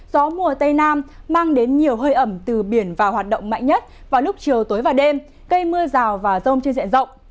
gió mùa tây nam mang đến nhiều hơi ẩm từ biển và hoạt động mạnh nhất vào lúc chiều tối và đêm gây mưa rào và rông trên diện rộng